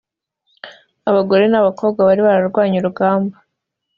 Abagore n’abakobwa bari bararwanye urugamba